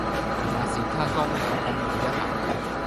那時她剛巧動了一下